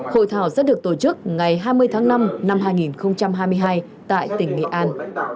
hội thảo sẽ được tổ chức ngày hai mươi tháng năm năm hai nghìn hai mươi hai tại tỉnh nghệ an